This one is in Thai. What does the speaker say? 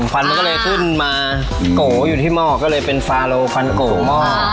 ฟันมันก็เลยขึ้นมาโกะอยู่ที่หม้อก็เลยเป็นฟาโลฟันโกหม้อ